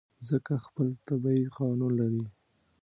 مځکه خپل طبیعي قانون لري.